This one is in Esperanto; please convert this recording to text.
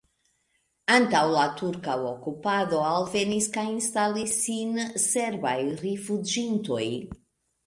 Antaŭ la turka okupado alvenis kaj instalis sin serbaj rifuĝintoj.